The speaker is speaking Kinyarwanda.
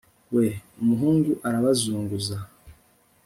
we, umuhungu arabazunguza